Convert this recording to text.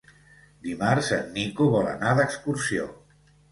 Dimarts en Nico vol anar d'excursió.